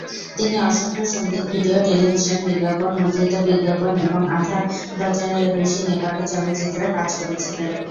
তিনি অসংখ্য সঙ্গীত-ভিডিও, টেলিভিশন বিজ্ঞাপন, মুদ্রিত বিজ্ঞাপন এবং আধা ডজনেরও বেশি নেপালি চলচ্চিত্রে কাজ করেছিলেন।